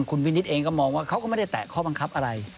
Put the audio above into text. คุณวินิตเองก็มองว่าเขาก็ไม่ได้แตะข้อบังคับอะไร